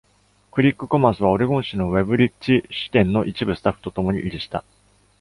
クリック・コマースはオレゴン州のウェブリッジ支店の一部スタッフとともに維持した。